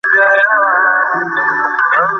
তুই একটা বখাটে!